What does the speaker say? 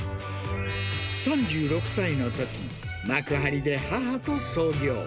３６歳のとき、幕張で母と創業。